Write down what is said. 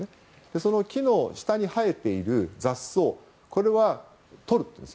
その木の下に生えている雑草は取るんです。